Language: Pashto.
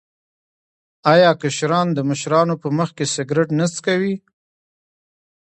آیا کشران د مشرانو په مخ کې سګرټ نه څکوي؟